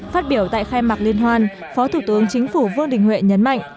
phát biểu tại khai mạc liên hoan phó thủ tướng chính phủ vương đình huệ nhấn mạnh